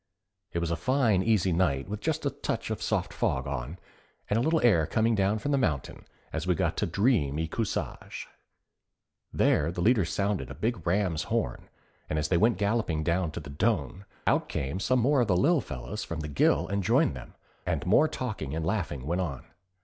It was a fine easy night with just a touch of soft fog on, and a little air coming down from the mountain as we got to Dreem y Cuschaage. There the leader sounded his big ram's horn, and as they went galloping down to the Dhoon, out came some more of the Lil Fellas from the gill and joined them, and more talking and laughing went on.